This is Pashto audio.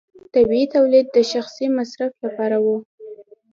طبیعي تولید د شخصي مصرف لپاره و.